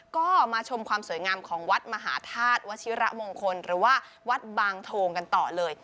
ก็มาชมความสวยงามของวัดมหาธาตุวชิระมงคลหรือว่าวัดบางโทงกันต่อเลย